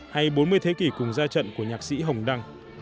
hay bốn mươi thế kỷ cùng ra trận của nhạc sĩ hồng đăng